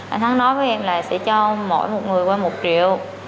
anh thắng nói với em là sẽ cho mỗi một người qua một triệu